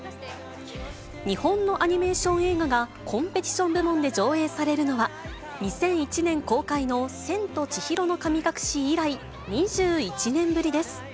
日本のアニメーション映画がコンペティション部門で上映されるのは、２００１年公開の千と千尋の神隠し以来２１年ぶりです。